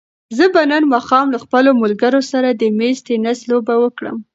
زه به نن ماښام له خپلو ملګرو سره د مېز تېنس لوبه وکړم.